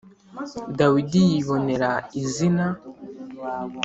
Dawidi yibonera izina